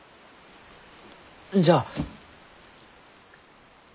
じゃあ。